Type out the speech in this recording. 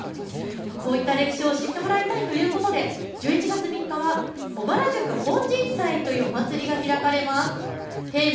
こういった歴史を知ってもらいたいということで１１月３日は小原宿本陣祭というお祭りが開かれます。